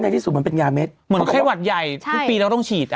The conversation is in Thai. ที่สุดมันเป็นยาเม็ดเหมือนไข้หวัดใหญ่ทุกปีเราต้องฉีดอ่ะ